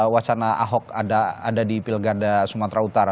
wacana ahok ada di pilkada sumatera utara